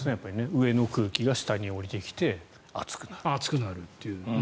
上の空気が下に下りてきて暑くなる。